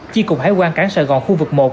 chi cục hải quan cảng sài gòn khu vực một